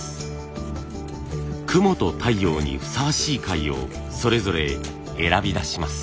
雲と太陽にふさわしい貝をそれぞれ選び出します。